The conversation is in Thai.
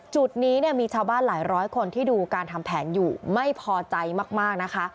จุดนี้เนี่ยมีชาวบ้านหลายร้อยคนที่ดูการทำแผนอยู่ไม่พอใจมากนะคะ